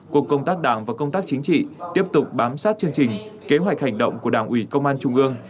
cục công tác đảng và công tác chính trị tiếp tục bám sát chương trình kế hoạch hành động của đảng ủy công an trung ương